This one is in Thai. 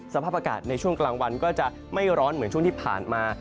สภาพอากาศในช่วงกลางวันก็จะไม่ร้อนเหมือนช่วงที่ผ่านมา